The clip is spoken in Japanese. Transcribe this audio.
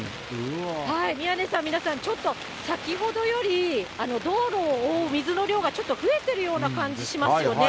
宮根さん、皆さん、ちょっと先ほどより、道路を覆う水の量がちょっと増えてるような感じしますよね。